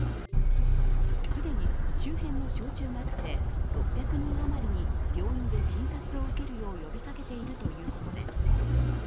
既に周辺の小中学生６００人あまりに病院で診察を受けるよう呼びかけているということです。